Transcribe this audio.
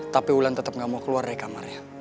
tapi ulan tetap nggak mau keluar dari kamarnya